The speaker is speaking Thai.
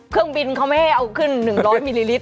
เครื่องบินเขาไม่ให้เอาขึ้น๑๐๐มิลลิลิตร